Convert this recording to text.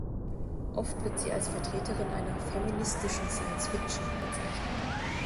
Oft wird sie als Vertreterin einer „feministischen Science-Fiction“ bezeichnet.